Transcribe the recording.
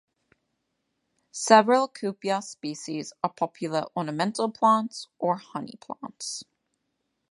Several "Cuphea" species are popular ornamental plants or honey plants.